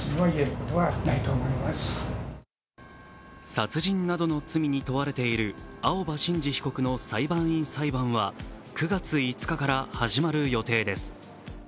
殺人などの罪に問われている青葉真司被告の裁判員裁判は９月５日から始まる予定です。